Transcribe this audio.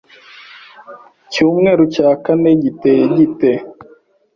cyumweru cya kane kiteye gite